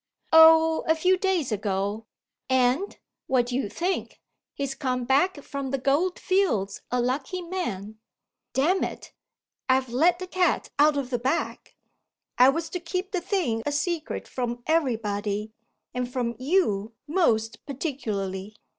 "Oh, a few days ago; and what do you think? he's come back from the goldfields a lucky man. Damn it, I've let the cat out of the bag! I was to keep the thing a secret from everybody, and from you most particularly.